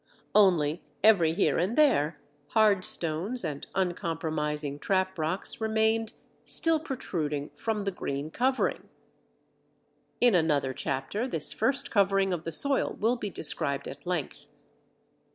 Only, every here and there, hard stones and uncompromising trap rocks remained still protruding from the green covering. In another chapter this first covering of the soil will be described at length.